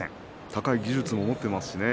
高い技術を持っていますからね。